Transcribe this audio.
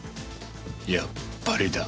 やっぱりだ。